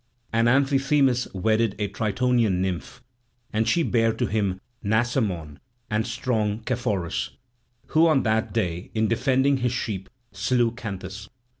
And Amphithemis wedded a Tritonian nymph; and she bare to him Nasamon and strong Caphaurus, who on that day in defending his sheep slew Canthus.